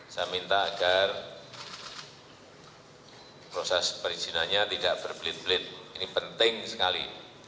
saya minta agar proses perizinannya tidak berbelit belit ini penting sekali